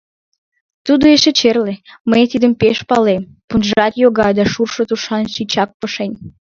Тудо эше черле, мый тидым пеш палем, пунжат йога да шуршо тушан тичак пошен!